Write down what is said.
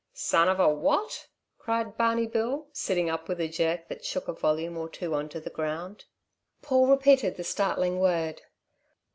"Son of a WOT?" cried Barney Bill, sitting up with a jerk that shook a volume or two onto the ground. Paul repeated the startling word.